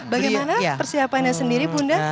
bagaimana persiapannya sendiri bunda